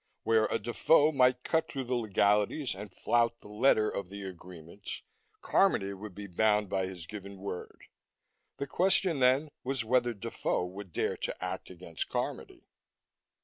Where a Defoe might cut through the legalities and flout the letter of the agreements, Carmody would be bound by his given word. The question, then, was whether Defoe would dare to act against Carmody.